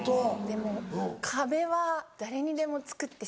でも壁は誰にでもつくってしまう。